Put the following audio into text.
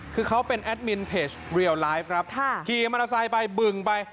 คือเขาเป็นแอดมินเพจครับค่ะขี่มรสายไปบึ่งไป